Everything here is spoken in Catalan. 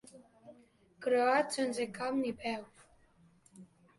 Croat sense cap ni peus.